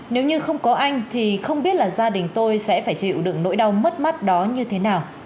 nếu như không có anh thì không biết là gia đình tôi sẽ phải chịu đựng nỗi đau mất mắt đó như thế nào